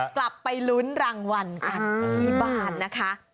กลับไปลุ้นรางวัลกันที่บ้านนะคะ